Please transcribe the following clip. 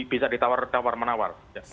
bisa ditawar menawar